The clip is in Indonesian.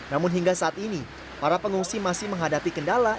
namun hingga saat ini para pengungsi masih menghadapi kendala